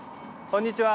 こんにちは。